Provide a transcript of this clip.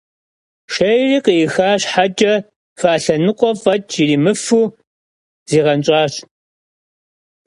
Şşêyri khı'ixa şheç'e falhe nıkhue f'eç' yirimıfu ziğenş'aş.